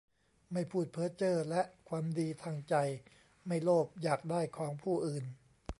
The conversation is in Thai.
ไม่พูดเพ้อเจ้อ และความดีทางใจ ไม่โลภอยากได้ของผู้อื่น